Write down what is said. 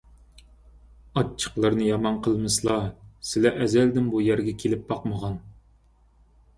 ئاچچىقلىرىنى يامان قىلمىسىلا، سىلى ئەزەلدىن بۇ يەرگە كېلىپ باقمىغان.